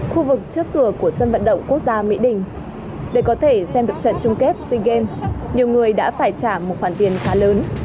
khu vực trước cửa của sân vận động quốc gia mỹ đình để có thể xem được trận chung kết sea games nhiều người đã phải trả một khoản tiền khá lớn